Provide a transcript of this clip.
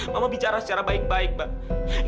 mama bicara secara baik baik mbak